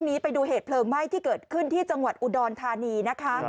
ไปดูเหตุเพลิงไหม้ที่เกิดขึ้นที่จังหวัดอุดรธานีนะคะ